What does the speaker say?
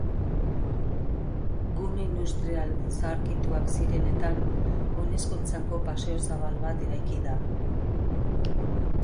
Gune industrial zaharkituak zirenetan, oinezkoentzako paseo zabal bat eraiki da.